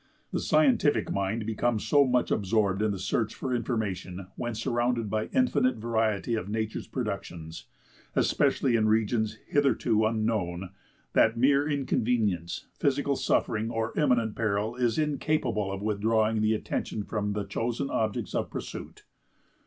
The scientific mind becomes so much absorbed in the search for information, when surrounded by the infinite variety of nature's productions, especially in regions hitherto unknown, that mere inconvenience, physical suffering, or imminent peril is incapable of withdrawing the attention from the chosen objects of pursuit.